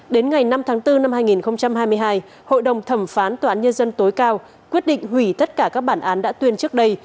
đến ngày năm tháng bốn năm hai nghìn hai mươi hai hội đồng thẩm phán tòa án nhân dân tối cao quyết định hủy tất cả các bản án đã tuyên trước đây